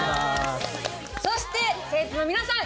そして生徒の皆さん